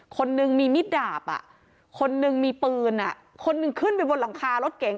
คนนึงมีมิดดาบคนนึงมีปืนคนหนึ่งขึ้นไปบนหลังคารถเก๋ง